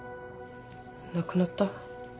亡くなった？